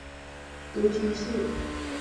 独居性。